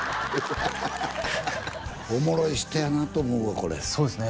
おもろい人やなと思うわこれそうですね